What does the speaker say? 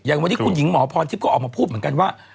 อย่างวันนี้คุณหญิงหมอพรทิพย์ก็ออกมาพูดเหมือนกันว่า